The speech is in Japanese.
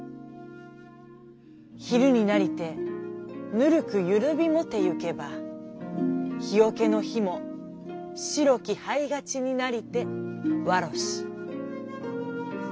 昼になりてぬるくゆるびもていけば火桶の火も白き灰がちになりてわろし」。